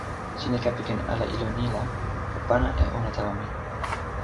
sina kepeken ala ilo ni la o pana e ona tawa mi.